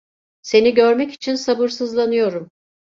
Seni görmek için sabırsızlanıyorum.